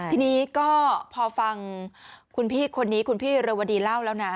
ทีนี้ก็พอฟังคุณพี่คนนี้คุณพี่เรวดีเล่าแล้วนะ